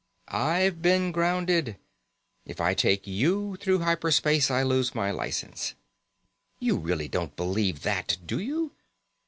"I've been grounded. If I take you through hyper space, I lose my license." "You really don't believe that, do you?